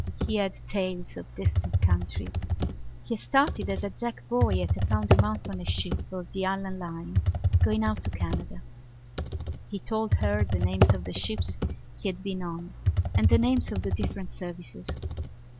He had tales of distant countries. He had started as a deck boy at a pound a month on a ship of the Allan Line going out to Canada. He told her the names of the ships he had been on and the names of the different services.